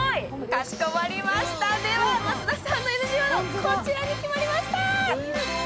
かしこまりました、増田さんのＮＧワード、こちらに決まりました。